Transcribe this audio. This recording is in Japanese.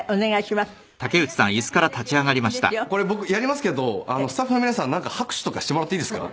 これ僕やりますけどスタッフの皆さんなんか拍手とかしてもらっていいですか？